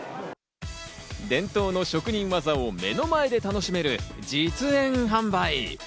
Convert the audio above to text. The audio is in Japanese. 伝統の職人技を目の前で楽しめる実演販売。